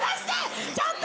ちょっと！